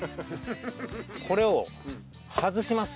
これを外します。